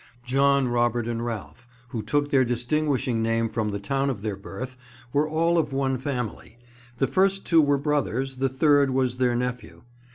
John, Robert, and Ralph, who took their distinguishing name from the town of their birth, were all of one family; the first two were brothers, the third was their nephew.